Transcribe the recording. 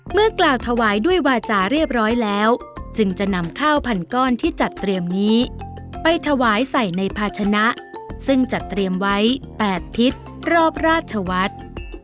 เมื่อกล่าวถวายด้วยวาจาเรียบร้อยแล้วจึงจะนำข้าวพันก้อนที่จัดเตรียมนี้ไปถวายใส่ในภาชนะซึ่งจัดเตรียมไว้๘ทิศรอบราชวัฒน์